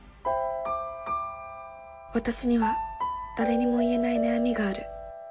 私には誰にも言えない悩みがある。